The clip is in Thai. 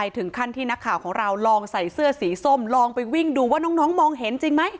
ถึงขั้นที่นักข่าวของเราลองใส่เสื้อสีส้มลองไปวิ่งดูว่าน้องมองเห็นจริงไหม